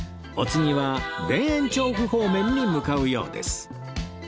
お次は田園調布方面に向かうようです